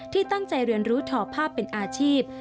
ที่ตั้งใจเรียนรู้ทอภาพเป็นอาชีพ